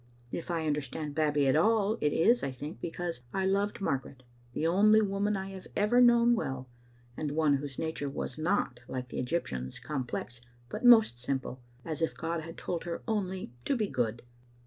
If I understand Babbie at all, it is, I think, because I loved Margaret, the only woman I have ever known well, and one whose nature was not, like the Egyptian's, complex, but most simple, as if God had told her only to be good.